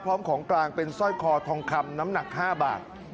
พร้อมของกลางเป็นสร้อยคอทองคำน้ำหนัก๕บาท